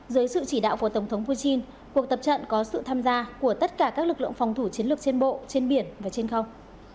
dưới sự chỉ đạo của tổng thống putin cuộc tập trận có sự tham gia của tất cả các lực lượng phòng thủ chiến lược trên bộ trên biển và trên không